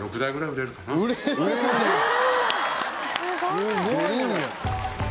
すごいな！